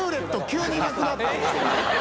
急になくなった！